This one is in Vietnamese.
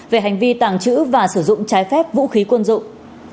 về hành vi tàng trữ và sử dụng trái phép vũ khí quân dụng